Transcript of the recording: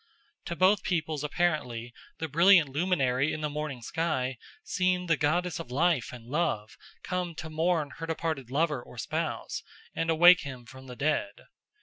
To both peoples apparently the brilliant luminary in the morning sky seemed the goddess of life and love come to mourn her departed lover or spouse and to wake him from the dead.